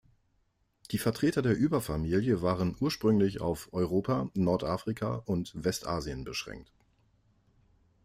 Die Vertreter der Überfamilie waren ursprünglich auf Europa, Nordafrika und Westasien beschränkt.